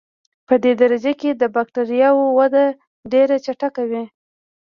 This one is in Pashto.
پدې درجه کې د بکټریاوو وده ډېره چټکه وي.